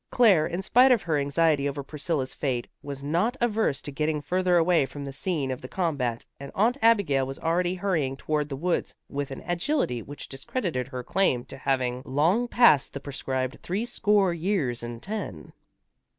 Claire, in spite of her anxiety over Priscilla's fate, was not averse to getting further away from the scene of the combat, and Aunt Abigail was already hurrying toward the woods, with an agility which discredited her claim to having long passed the prescribed three score years and ten.